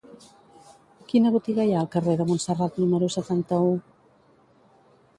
Quina botiga hi ha al carrer de Montserrat número setanta-u?